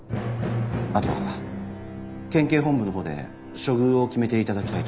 あとは県警本部のほうで処遇を決めて頂きたいと。